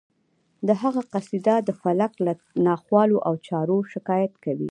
د هغه قصیده د فلک له ناخوالو او چارو شکایت کوي